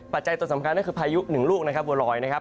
จัยตัวสำคัญก็คือพายุหนึ่งลูกนะครับบัวลอยนะครับ